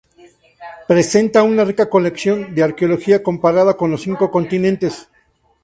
Presenta una rica colección de arqueología comparada de los cinco continentes.